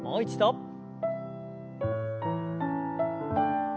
もう一度。